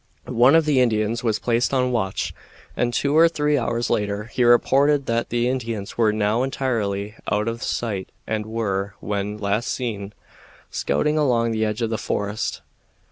One of the Indians was placed on watch, and two or three hours later he reported that the Indians were now entirely out of sight and were, when last seen, scouting along the edge of the forest.